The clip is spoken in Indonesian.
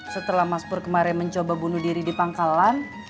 setelah mas pur kemarin mencoba bunuh diri di pangkalan